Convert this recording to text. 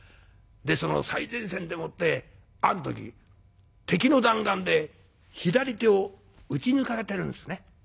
その最前線でもってある時敵の弾丸で左手を撃ち抜かれてるんですね。